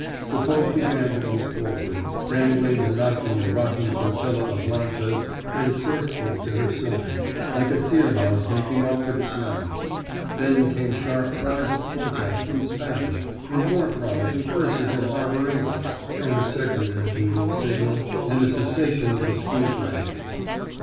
The boat began to move forward, dangling the knocking and rocking flotilla of lanchas and surf boats at her side, like a deer mouse making off with its young. Then came sharp cries of protest, in Spanish, and more cries and curses in harbor English, and a second engine room signal and a cessation of the screw thrashings.